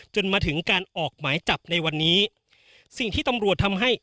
จนมาถึงการออกหมายจับในวันนี้